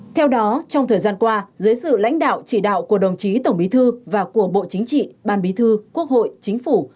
theo đó trong thời gian qua dưới sự lãnh đạo chỉ đạo của đồng chí tổng bí thư và của bộ chính trị ban bí thư quốc hội chính phủ